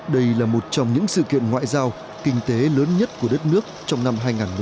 đây là một trong những sự kiện ngoại giao kinh tế lớn nhất của đất nước trong năm hai nghìn một mươi chín